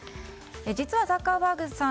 実はザッカーバーグさん